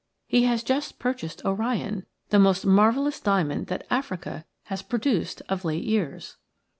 He has just purchased Orion, the most marvellous diamond that Africa has produced of late years."